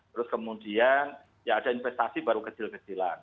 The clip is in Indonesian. terus kemudian ya ada investasi baru kecil kecilan